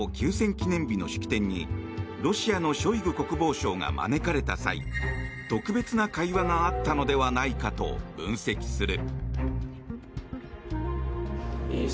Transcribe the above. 記念日の式典にロシアのショイグ国防相が招かれた際特別な会話があったのではないかと分析する。